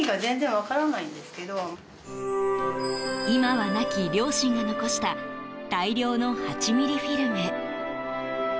今は亡き両親が残した大量の８ミリフィルム。